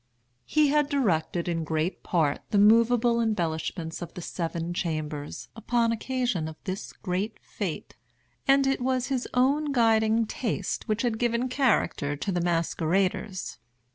He had directed, in great part, the moveable embellishments of the seven chambers, upon occasion of this great fête; and it was his own guiding taste which had given character to the masqueraders.